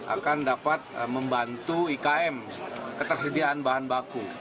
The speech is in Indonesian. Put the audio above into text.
akan dapat membantu ikm ketersediaan bahan baku